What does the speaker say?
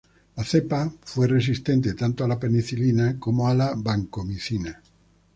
La cepa fue resistente tanto a la penicilina como a la vancomicina.